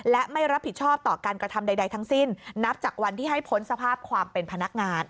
และไม่รับผิดชอบต่อการกระทำใดทั้งสิ้นนับจากวันที่ให้พ้นสภาพความเป็นพนักงาน